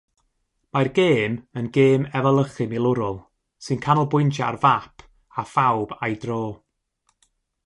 Mae'r gêm yn gêm efelychu milwrol sy'n canolbwyntio ar fap a phawb â'i dro.